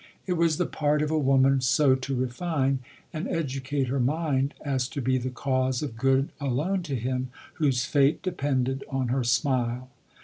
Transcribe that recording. It was the part of a woman so to refine and educate her mind, as to be the cause of good alone to him whose fate depended on her smile.